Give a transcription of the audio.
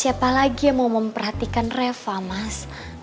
siapa lagi yang mau memperhatikan reva mas